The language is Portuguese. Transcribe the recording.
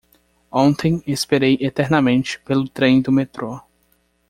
Ontem esperei eternamente pelo trem do metrô.